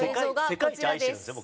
世界一愛してるんですよ